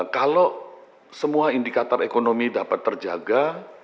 kalau semua indikator ekonomi dapat terjaga